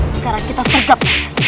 sekarang kita sergap